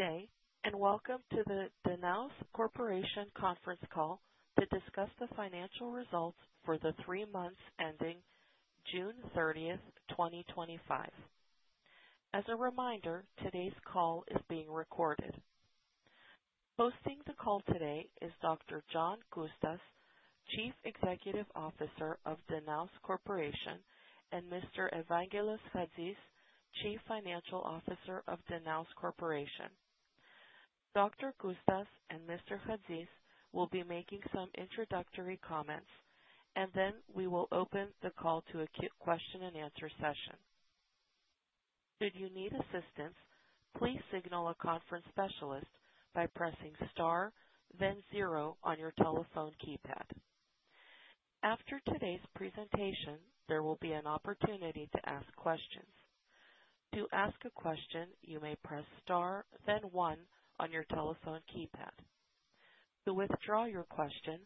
Good day, and welcome to the Danaos Corporation conference call to discuss the financial results for the three months ending June 30, 2025. As a reminder, today's call is being recorded. Hosting the call today is Dr. John Coustas, Chief Executive Officer of Danaos Corporation, and Mr. Evangelos Chatzis, Chief Financial Officer of Danaos Corporation. Dr. Coustas and Mr. Chatzis will be making some introductory comments, and then we will open the call to a question and answer session. Should you need assistance, please signal a conference specialist by pressing star, then zero on your telephone keypad. After today's presentation, there will be an opportunity to ask questions. To ask a question, you may press star, then one on your telephone keypad. To withdraw your question,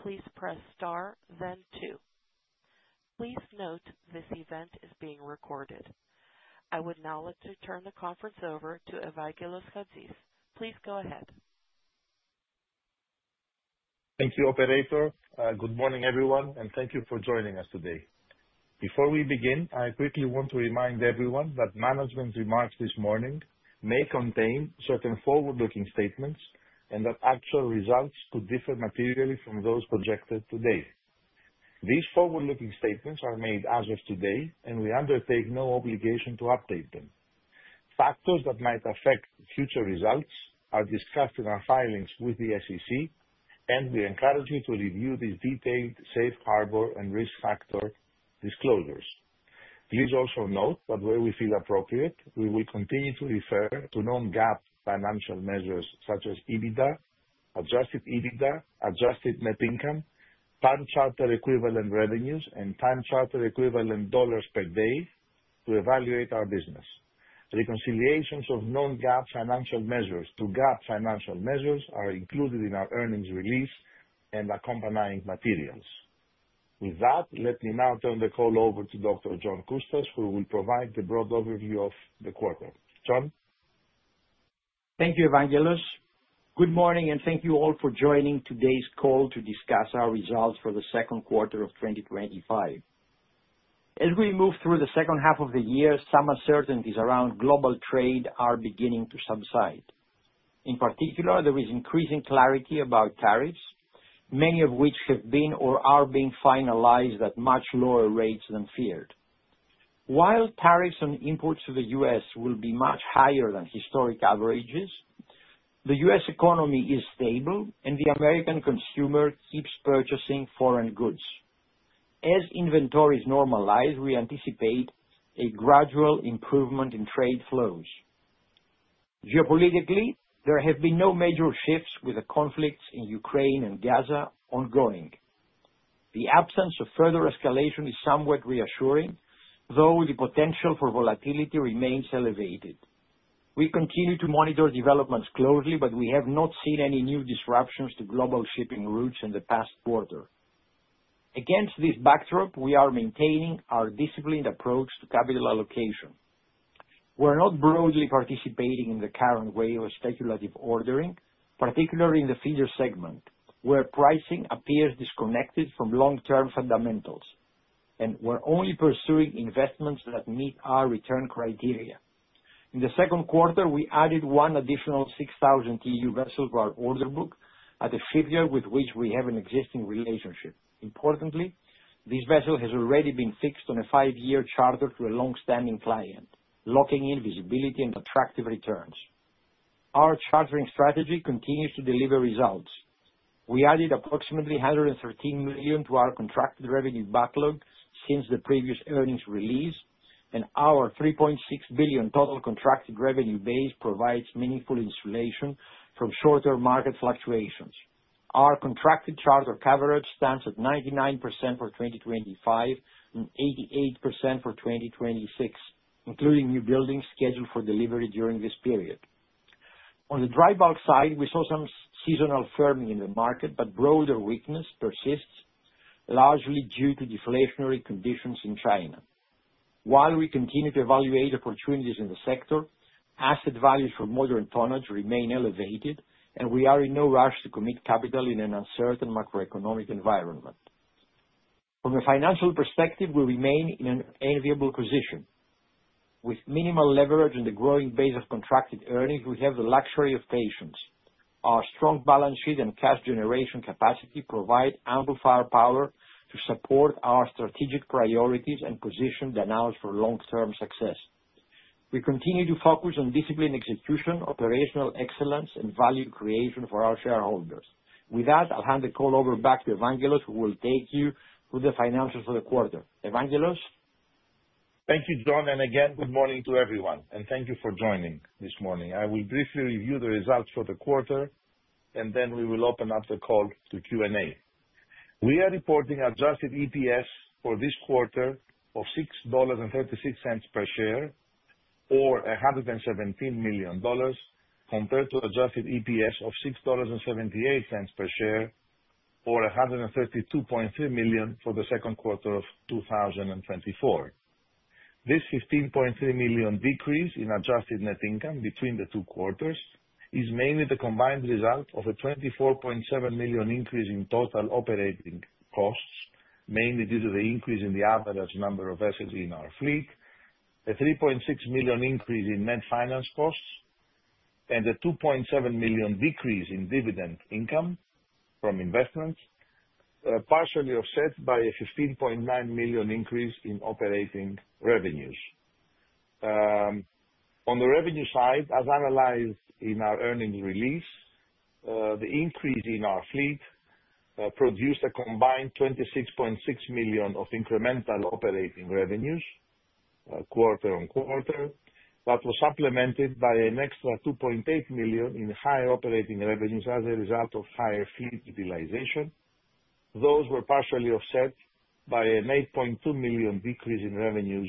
please press star, then two. Please note, this event is being recorded. I would now like to turn the conference over to Evangelos Chatzis. Please go ahead. Thank you, operator. Good morning, everyone, and thank you for joining us today. Before we begin, I quickly want to remind everyone that management's remarks this morning may contain certain forward-looking statements and that actual results could differ materially from those projected today. These forward-looking statements are made as of today, and we undertake no obligation to update them. Factors that might affect future results are discussed in our filings with the SEC, and we encourage you to review the detailed safe harbor and risk factor disclosures. Please also note that where we feel appropriate, we will continue to refer to non-GAAP financial measures such as EBITDA, Adjusted EBITDA, adjusted net income, time charter equivalent revenues, and time charter equivalent dollars per day to evaluate our business. Reconciliations of non-GAAP financial measures to GAAP financial measures are included in our earnings release and accompanying materials. With that, let me now turn the call over to Dr. John Coustas, who will provide the broad overview of the quarter. John? Thank you, Evangelos. Good morning, and thank you all for joining today's call to discuss our results for the second quarter of 2025. As we move through the second half of the year, some uncertainties around global trade are beginning to subside. In particular, there is increasing clarity about tariffs, many of which have been or are being finalized at much lower rates than feared. While tariffs on imports to the U.S. will be much higher than historic averages, the U.S. economy is stable and the American consumer keeps purchasing foreign goods. As inventories normalize, we anticipate a gradual improvement in trade flows. Geopolitically, there have been no major shifts with the conflicts in Ukraine and Gaza ongoing. The absence of further escalation is somewhat reassuring, though the potential for volatility remains elevated. We continue to monitor developments closely, but we have not seen any new disruptions to global shipping routes in the past quarter. Against this backdrop, we are maintaining our disciplined approach to capital allocation. We're not broadly participating in the current wave of speculative ordering, particularly in the feeder segment, where pricing appears disconnected from long-term fundamentals, and we're only pursuing investments that meet our return criteria. In the second quarter, we added one additional 6,000 TEU vessel to our order book at a shipyard with which we have an existing relationship. Importantly, this vessel has already been fixed on a five-year charter to a long-standing client, locking in visibility and attractive returns. Our chartering strategy continues to deliver results. We added approximately $113 million to our contracted revenue backlog since the previous earnings release, and our $3.6 billion total contracted revenue base provides meaningful insulation from shorter market fluctuations. Our contracted charter coverage stands at 99% for 2025 and 88% for 2026, including newbuildings scheduled for delivery during this period. On the Dry Bulk side, we saw some seasonal firming in the market, but broader weakness persists, largely due to deflationary conditions in China. While we continue to evaluate opportunities in the sector, asset values for modern tonnage remain elevated, and we are in no rush to commit capital in an uncertain macroeconomic environment. From a financial perspective, we remain in an enviable position. With minimal leverage in the growing base of contracted earnings, we have the luxury of patience. Our strong balance sheet and cash generation capacity provide ample firepower to support our strategic priorities and position Danaos for long-term success. We continue to focus on disciplined execution, operational excellence, and value creation for our shareholders. With that, I'll hand the call over back to Evangelos, who will take you through the financials for the quarter. Evangelos? Thank you, John, and again, good morning to everyone, and thank you for joining this morning. I will briefly review the results for the quarter, and then we will open up the call to Q&A. We are reporting Adjusted EPS for this quarter of $6.36 per share, or $117 million, compared to Adjusted EPS of $6.78 per share, or $132.3 million for the second quarter of 2024. This $15.3 million decrease in adjusted net income between the two quarters is mainly the combined result of a $24.7 million increase in total operating costs, mainly due to the increase in the average number of vessels in our fleet, a $3.6 million increase in net finance costs, and a $2.7 million decrease in dividend income from investments, partially offset by a $15.9 million increase in operating revenues. On the revenue side, as analyzed in our earnings release, the increase in our fleet produced a combined $26.6 million of incremental operating revenues, quarter on quarter, that was supplemented by an extra $2.8 million in higher operating revenues as a result of higher fleet utilization. Those were partially offset by an $8.2 million decrease in revenues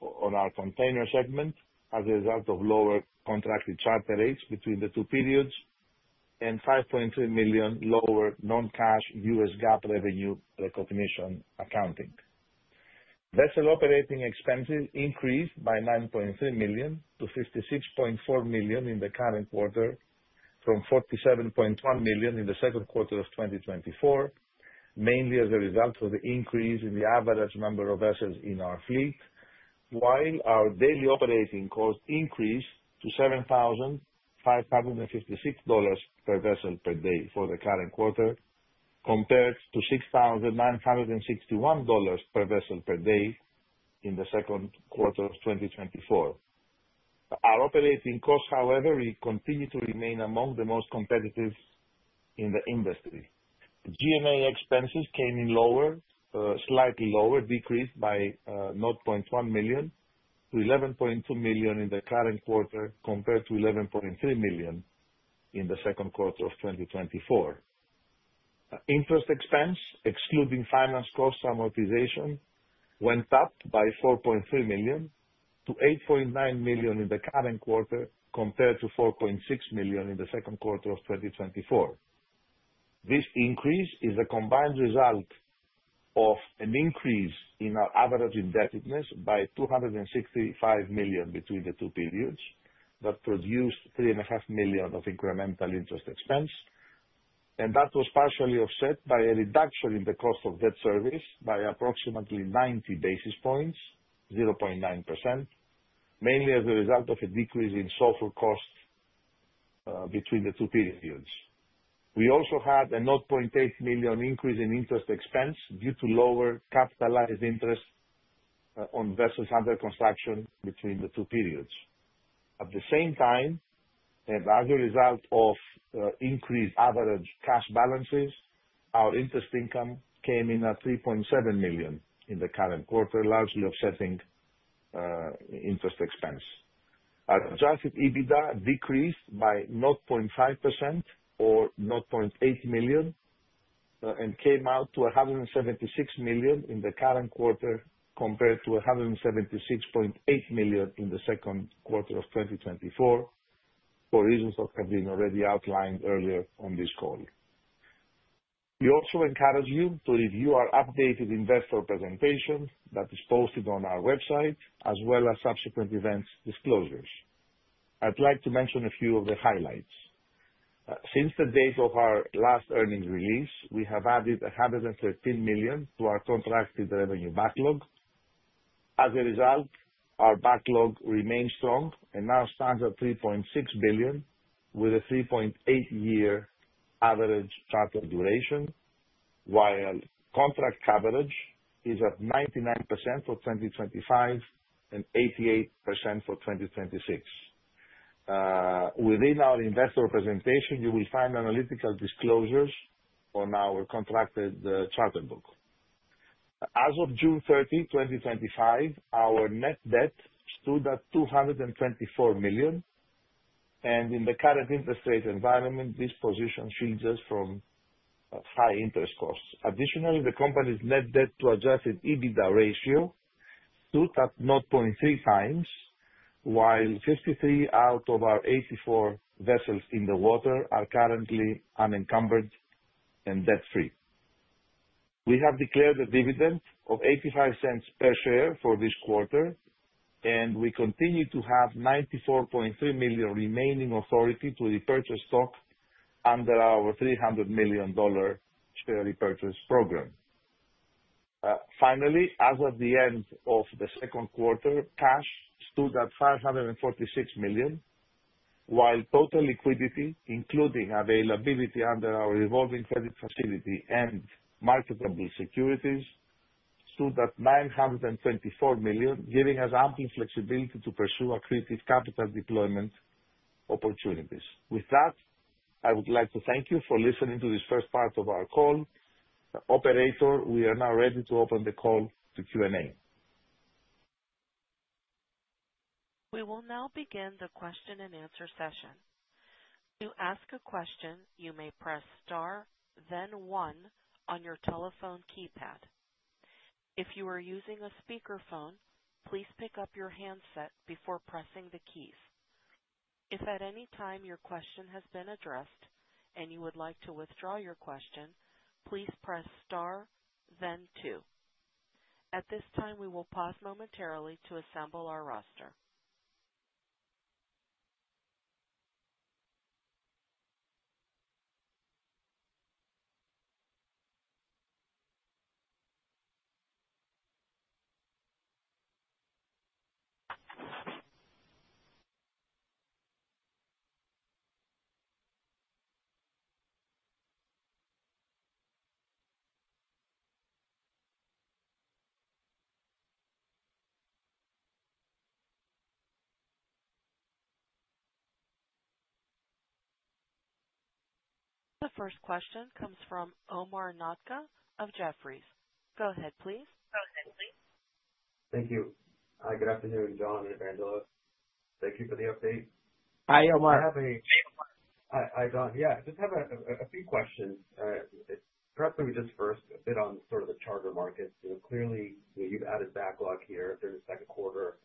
on our container segment, as a result of lower contracted charter rates between the two periods, and $5.3 million lower non-cash U.S. GAAP revenue recognition accounting. Vessel operating expenses increased by $9.3 million-$56.4 million in the current quarter, from $47.1 million in the second quarter of 2024, mainly as a result of the increase in the average number of vessels in our fleet, while our daily operating costs increased to $7,556 per vessel per day for the current quarter, compared to $6,961 per vessel per day in the second quarter of 2024. Our operating costs, however, will continue to remain among the most competitive in the industry. G&A expenses came in lower, slightly lower, decreased by $0.1 million-$11.2 million in the current quarter, compared to $11.3 million in the second quarter of 2024. Interest expense, excluding finance cost amortization, went up by $4.3 million-$8.9 million in the current quarter, compared to $4.6 million in the second quarter of 2024. This increase is a combined result of an increase in our average indebtedness by $265 million between the two periods, that produced $3.5 million of incremental interest expense, and that was partially offset by a reduction in the cost of debt service by approximately 90 basis points, 0.9%, mainly as a result of a decrease in SOFR, between the two periods. We also had a $0.8 million increase in interest expense due to lower capitalized interest on vessels under construction between the two periods. At the same time, and as a result of increased average cash balances, our interest income came in at $3.7 million in the current quarter, largely offsetting interest expense. Adjusted EBITDA decreased by 0.5% or $0.8 million and came out to $176 million in the current quarter, compared to $176.8 million in the second quarter of 2024, for reasons that have been already outlined earlier on this call. We also encourage you to review our updated investor presentation that is posted on our website, as well as subsequent events disclosures. I'd like to mention a few of the highlights. Since the date of our last earnings release, we have added $113 million to our contracted revenue backlog. As a result, our backlog remains strong and now stands at $3.6 billion, with a 3.8-year average charter duration, while contract coverage is at 99% for 2025 and 88% for 2026. Within our investor presentation, you will find analytical disclosures on our contracted charter book. As of June 30, 2025, our net debt stood at $224 million, and in the current interest rate environment, this position shields us from high interest costs. Additionally, the company's net debt to Adjusted EBITDA ratio stood at 0.3x, while 53 out of our 84 vessels in the water are currently unencumbered and debt free. We have declared a dividend of $0.85 per share for this quarter, and we continue to have $94.3 million remaining authority to repurchase stock under our $300 million share repurchase program. Finally, as of the end of the second quarter, cash stood at $546 million, while total liquidity, including availability under our revolving credit facility and marketable securities, stood at $924 million, giving us ample flexibility to pursue accretive capital deployment opportunities. With that, I would like to thank you for listening to this first part of our call. Operator, we are now ready to open the call to Q&A. We will now begin the question and answer session. To ask a question, you may press star, then one on your telephone keypad. If you are using a speakerphone, please pick up your handset before pressing the keys. If at any time your question has been addressed and you would like to withdraw your question, please press star then two. At this time, we will pause momentarily to assemble our roster. The first question comes from Omar Nokta of Jefferies. Go ahead, please. Thank you. Good afternoon, John and Evangelos. Thank you for the update. Hi, Omar. Hi, hi, John. Yeah, just have a few questions. Perhaps let me just first a bit on sort of the charter market. You know, clearly, you've added backlog here in the second quarter.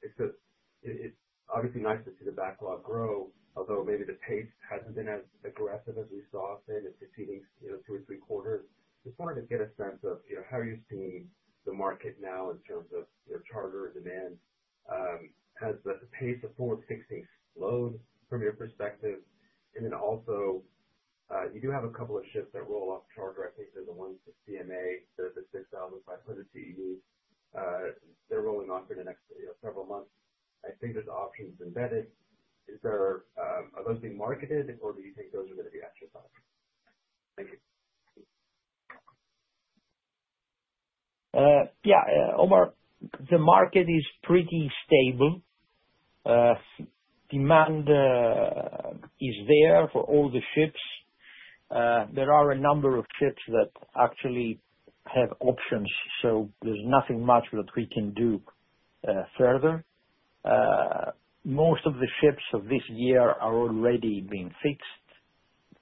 It's just, it's obviously nice to see the backlog grow, although maybe the pace hasn't been as aggressive as we saw say, in the preceding, you know, two or three quarters. Just wanted to get a sense of, you know, how you're seeing the market now in terms of, you know, charter demand. Has the pace of forward fixing slowed from your perspective? And then also, you do have a couple of ships that roll off charter. I think there's the one for CMA, there's the 6,500 TEU. They're rolling off in the next, you know, several months. I think there's options embedded. Is there, are those being marketed or do you think those are gonna be exercised? Thank you. Yeah, Omar, the market is pretty stable. Demand is there for all the ships. There are a number of ships that actually have options, so there's nothing much that we can do further. Most of the ships of this year are already being fixed.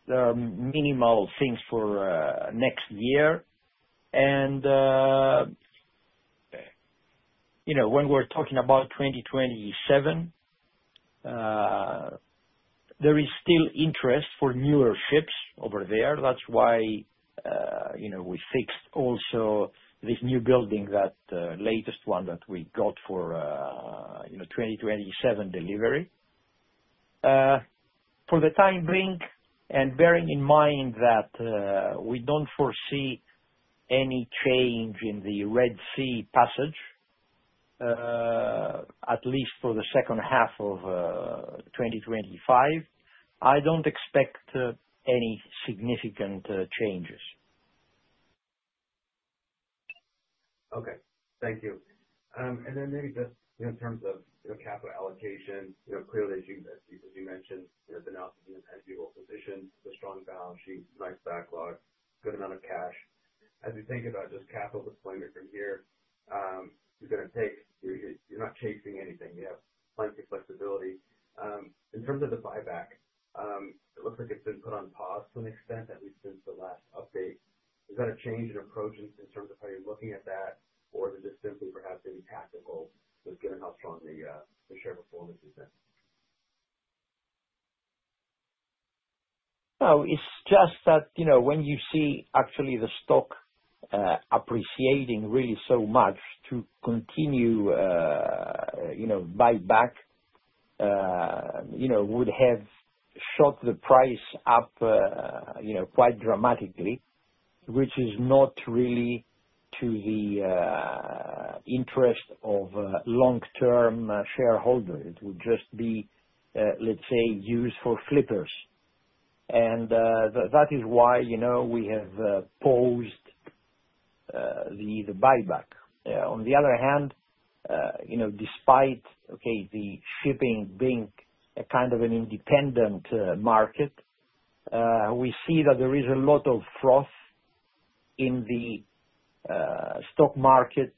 There are minimal things for next year. You know, when we're talking about 2027, there is still interest for newer ships over there. That's why, you know, we fixed also this newbuilding, that latest one that we got for, you know, 2027 delivery. For the time being, and bearing in mind that, we don't foresee any change in the Red Sea passage, at least for the second half of 2025, I don't expect any significant changes. Okay. Thank you. And then maybe just in terms of, you know, capital allocation, you know, clearly, as you mentioned, there's been oftentimes you will position the strong balance sheet, nice backlog, good amount of cash. As you think about just capital deployment from here, you're not chasing anything. You have plenty flexibility. In terms of the buyback, it looks like it's been put on pause to an extent, at least since the last update. Is that a change in approach in terms of how you're looking at that? Or is it just simply perhaps being tactical, just given how strong the share performance has been? No, it's just that, you know, when you see actually the stock appreciating really so much to continue, you know, buyback, you know, would have shot the price up, you know, quite dramatically, which is not really to the interest of long-term shareholders. It would just be, let's say, used for flippers. And that is why, you know, we have paused the buyback. On the other hand, you know, despite the shipping being a kind of an independent market, we see that there is a lot of froth in the stock market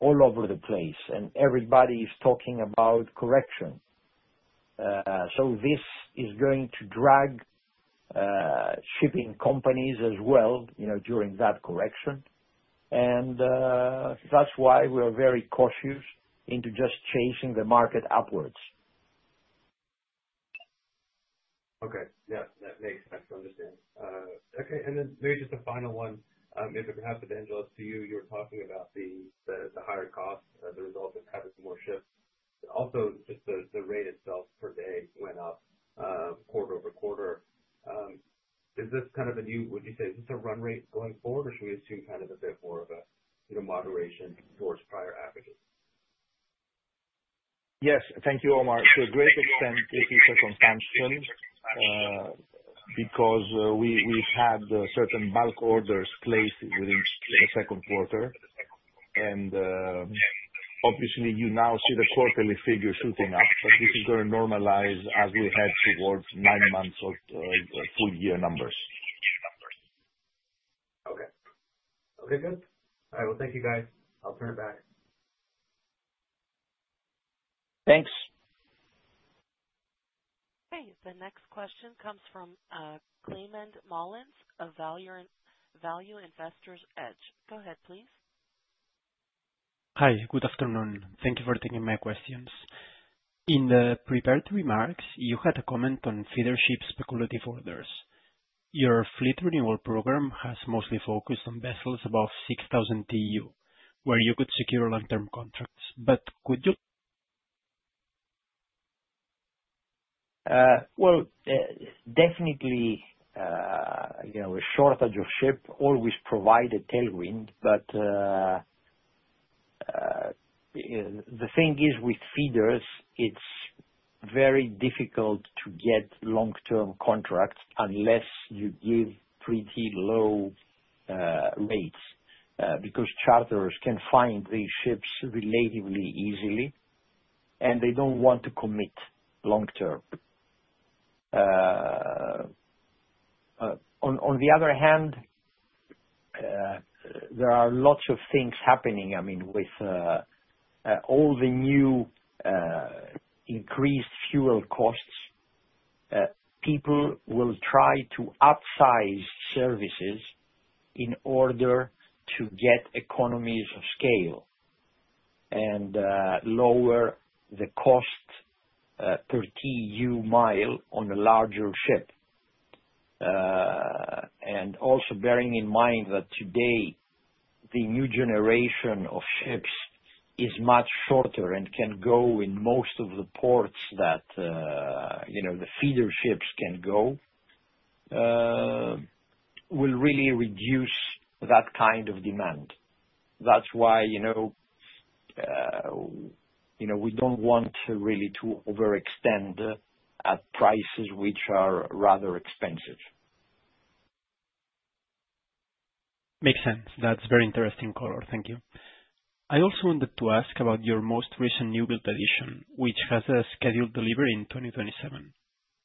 all over the place, and everybody is talking about correction. So this is going to drag shipping companies as well, you know, during that correction. And, that's why we are very cautious into just chasing the market upwards. Okay. Yeah, that makes sense. I understand. Okay, and then maybe just a final one. Maybe one for Evangelos, to you, you were talking about the higher costs as a result of having some more ships. Also, just the rate itself per day went up quarter-over-quarter. Is this kind of a new... Would you say, is this a run rate going forward? Or should we assume kind of a bit more of a, you know, moderation towards prior averages? Yes. Thank you, Omar. To a great extent, it is a consumption because we've had certain bulk orders placed within the second quarter. Obviously, you now see the quarterly figures shooting up, but this is gonna normalize as we head towards nine months of full year numbers. Okay. Okay, good. All right, well, thank you, guys. I'll turn it back. Thanks. Hey, the next question comes from Climent Molins of Value Investor's Edge. Go ahead, please. Hi, good afternoon. Thank you for taking my questions. In the prepared remarks, you had a comment on feeder ship speculative orders. Your fleet renewal program has mostly focused on vessels above 6,000 TEU, where you could secure long-term contracts. But could you- Well, definitely, you know, a shortage of ship always provide a tailwind, but the thing is, with feeders, it's very difficult to get long-term contracts unless you give pretty low rates because charters can find these ships relatively easily, and they don't want to commit long term. On the other hand, there are lots of things happening, I mean, with all the new increased fuel costs, people will try to upsize services in order to get economies of scale and lower the cost per TEU mile on a larger ship. And also bearing in mind that today, the new generation of ships is much shorter and can go in most of the ports that you know, the feeder ships can go, will really reduce that kind of demand. That's why, you know, you know, we don't want to really to overextend at prices which are rather expensive. Makes sense. That's very interesting color. Thank you. I also wanted to ask about your most recent newbuild addition, which has a scheduled delivery in 2027.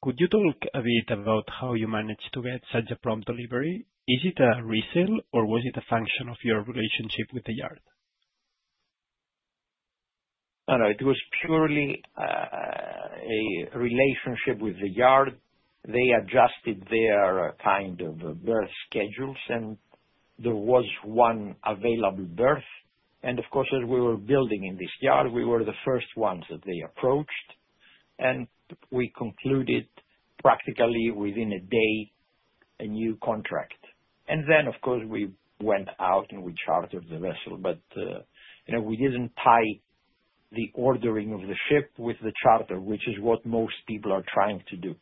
Could you talk a bit about how you managed to get such a prompt delivery? Is it a resale or was it a function of your relationship with the yard? No, no, it was purely a relationship with the yard. They adjusted their kind of berth schedules, and there was one available berth. And of course, as we were building in this yard, we were the first ones that they approached, and we concluded practically within a day a new contract. And then, of course, we went out, and we chartered the vessel, but you know, we didn't tie the ordering of the ship with the charter, which is what most people are trying to do.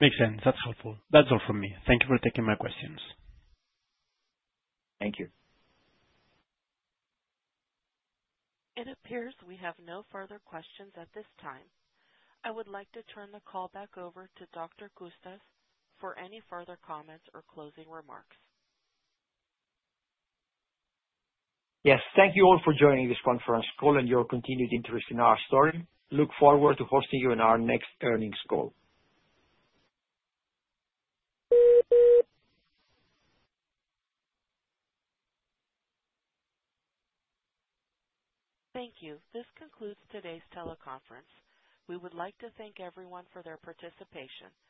Makes sense. That's helpful. That's all from me. Thank you for taking my questions. Thank you. It appears we have no further questions at this time. I would like to turn the call back over to Dr. Coustas for any further comments or closing remarks. Yes. Thank you all for joining this conference call and your continued interest in our story. Look forward to hosting you on our next earnings call. Thank you. This concludes today's teleconference. We would like to thank everyone for their participation.